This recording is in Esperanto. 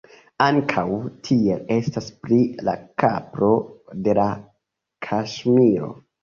Ankaŭ tiel estas pri la kapro de la Kaŝmiro.